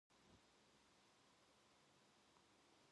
그러면 자연 기분전환두 될수 있을 테니까요.